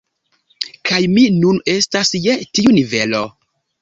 Kaj mi nun estas je tiu nivelo